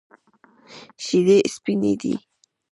شیدې سپینې دي.